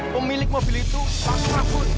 pemilik mobil itu pasrah pun